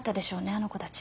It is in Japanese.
あの子たち。